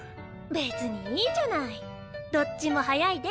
別にいいじゃないどっちも速いで。